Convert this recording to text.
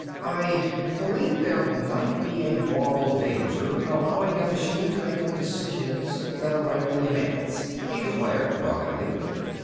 "I believe there might be a moral danger in allowing a machine to make decisions that are rightfully Man's," he declared doggedly.